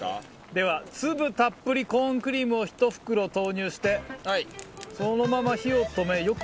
ではつぶたっぷりコーンクリームを１袋投入して、そのまま火を止めよく混ぜ合わせます。